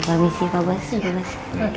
permisi pak bos